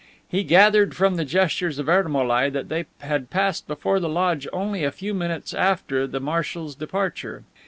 He gathered from the gestures of Ermolai that they had passed before the lodge only a few minutes after the marshal's departure.